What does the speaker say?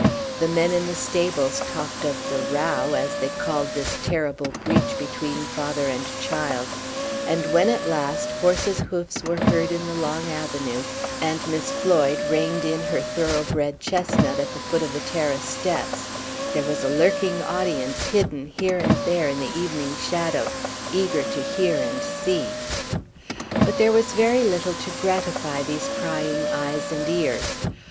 The men in the stables talked of "the row," as they called this terrible breach between father and child; and when at last horses' hoofs were heard in the long avenue, and Miss Floyd reined in her thorough bred chestnut at the foot of the terrace steps, there was a lurking audience hidden here and there in the evening shadow eager to hear and see. But there was very little to gratify these prying eyes and ears.